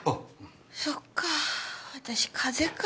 そっか私風邪か。